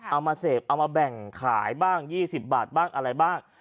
เอามาเสพเอามาแบ่งขายบ้าง๒๐บาทบ้างอะไรบ้าง